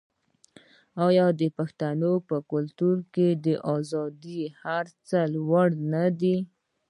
آیا د پښتنو په کلتور کې ازادي تر هر څه لوړه نه ده؟